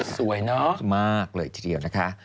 สวยเนาะมากเลยทีเดียวนะคะ